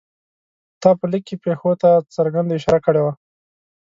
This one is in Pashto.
تا په لیک کې پېښو ته څرګنده اشاره کړې وه.